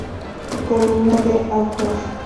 Columna de Autor.